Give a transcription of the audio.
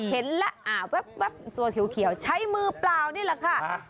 เห็นแล้วสัวเขียวใช้มือเปล่านี่แหละค่ะ